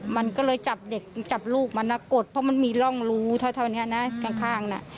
มันก็เลยจับลูกมันถึงโกดเพราะมันมีร่องลูเท่านี้นะข้าง